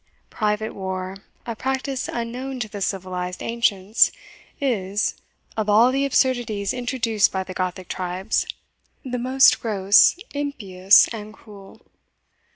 Private war, a practice unknown to the civilised ancients, is, of all the absurdities introduced by the Gothic tribes, the most gross, impious, and cruel.